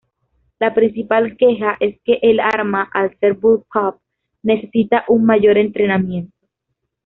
La principal queja es que el arma al ser bullpup, necesita un mayor entrenamiento.